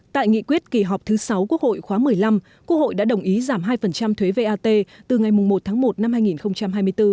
tại nghị quyết kỳ họp thứ sáu quốc hội khóa một mươi năm quốc hội đã đồng ý giảm hai thuế vat từ ngày một tháng một năm hai nghìn hai mươi bốn